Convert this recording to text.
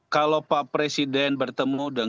kalau pak presiden bertemu